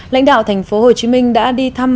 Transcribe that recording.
lãnh đạo tp hcm đã đi thăm